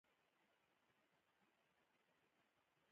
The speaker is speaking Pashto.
څلورم ما د خپل ژوند د تر ټولو مهم هدف جزييات ليکلي.